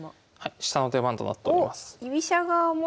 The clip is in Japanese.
下の手番となっております。